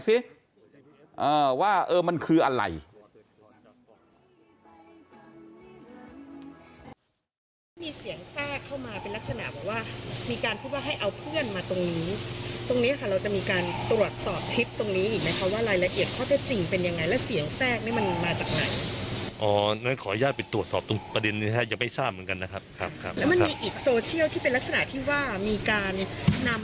สวยเหมือนนางฟ้าเลยจนได้แล้วสวยเหมือนนางฟ้าเลยจนได้แล้วสวยเหมือนนางฟ้าเลยจนได้แล้วสวยเหมือนนางฟ้าเลยจนได้แล้วสวยเหมือนนางฟ้าเลย